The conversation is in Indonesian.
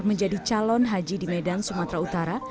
menjadi calon haji di medan sumatera utara